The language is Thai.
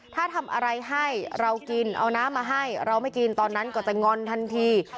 ถ้าทำอะไรให้เรากินเอาน้ำมาให้เราไม่กินตอนนั้นก็จะงอนทันที